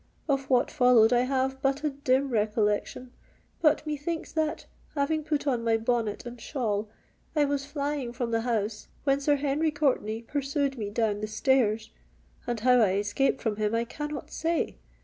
Of what followed I have but a dim recollection; but methinks that, having put on my bonnet and shawl, I was flying from the house, when Sir Henry Courtenay pursued me down the stairs—and how I escaped from him I cannot say!